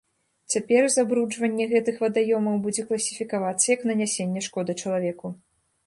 Цяпер забруджванне гэтых вадаёмаў будзе класіфікавацца як нанясенне шкоды чалавеку.